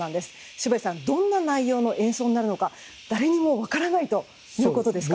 渋谷さん、どんな内容の映像になるのか誰にも分からないということですか。